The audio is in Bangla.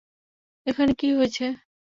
এখানে কী হয়েছে?